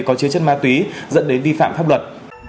có chứa chất ma túy dẫn đến vi phạm pháp luật